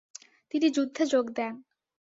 তিনি যুদ্ধে যোগ দেন।